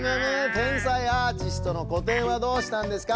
てんさいアーティストのこてんはどうしたんですか？